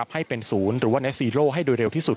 ให้เป็นศูนย์ให้โดยเร็วที่สุด